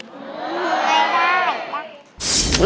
ลูกชิ้น